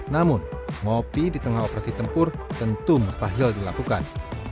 namun ngopi di tengah operasi tempur tentu mustahil dilakukan